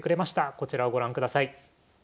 こちらをご覧ください。